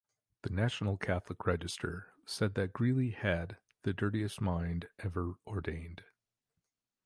The "National Catholic Register" said that Greeley had "the dirtiest mind ever ordained.